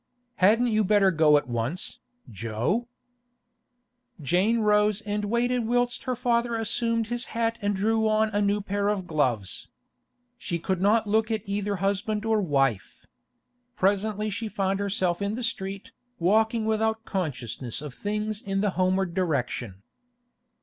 Hadn't you better go at once, Jo?' Jane rose and waited whilst her father assumed his hat and drew on a new pair of gloves. She could not look at either husband or wife. Presently she found herself in the street, walking without consciousness of things in the homeward direction.